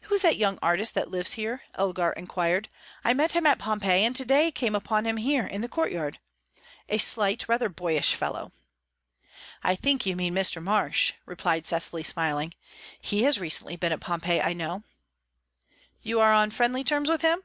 "Who is the young artist that lives here?" Elgar inquired. "I met him at Pompeii, and to day came upon him here in the courtyard. A slight, rather boyish fellow." "I think you mean Mr. Marsh," replied Cecily, smiling. "He has recently been at Pompeii, I know." "You are on friendly terms with him?"